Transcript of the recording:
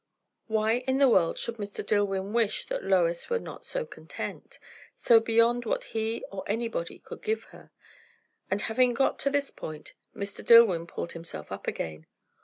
Why in the world should Mr. Dillwyn wish that Lois were not so content? so beyond what he or anybody could give her? And having got to this point, Mr. Dillwyn pulled himself up again.